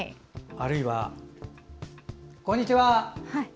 あるいは、こんにちは。